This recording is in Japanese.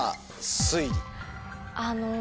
あの。